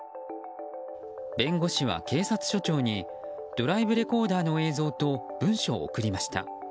弁護士は、警察署長にドライブレコーダーの映像と文書を送りました。